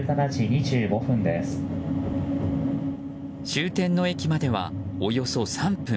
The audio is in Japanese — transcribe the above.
終点の駅まではおよそ３分。